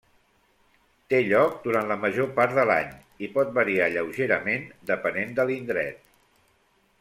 Té lloc durant la major part de l'any i pot variar lleugerament depenent de l'indret.